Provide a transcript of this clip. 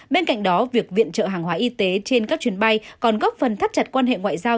bên cạnh đó việc viện trợ hàng hóa y tế trên các chuyến bay còn góp phần thắt chặt quan hệ ngoại giao